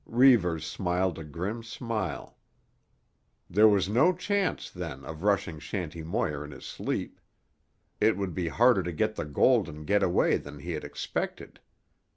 Reivers smiled a grim smile. There was no chance, then, of rushing Shanty Moir in his sleep. It would be harder to get the gold and get away than he had expected.